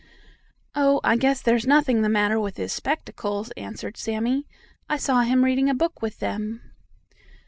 "Oh, I guess there's nothing the matter with his spectacles," answered Sammie. "I saw him reading a book with them."